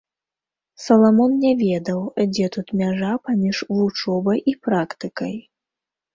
Саламон не ведаў, дзе тут мяжа паміж вучобай і практыкай.